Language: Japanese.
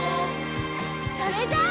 それじゃあ。